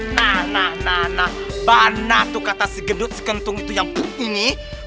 nah nah nah nah bana tuh kata si gendut si kentung itu yang putih ini